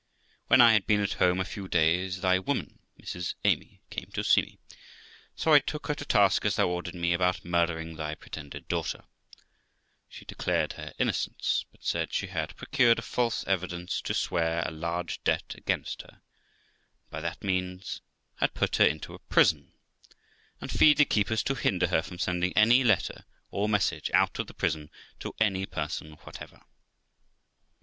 When I had been at home a few days, thy woman, Mrs Amy, came to see me, so I took her to task as thou ordered me, about murdering thy pretended daughter; she declared her innocence, but said she had procured a false evidence to swear a large debt against her, and by that means had put her into a prison, and fee'd the keepers to hinder her from sending any letter or message out of the prison to any person whatever.